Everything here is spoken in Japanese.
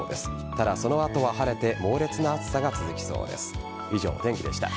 ただ、その後は晴れて猛烈な暑さが続きそうです。